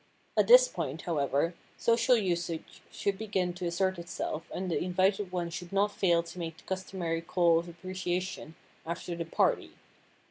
At this point, however, social usage should begin to assert itself and the invited one should not fail to make the customary call of appreciation after the "party."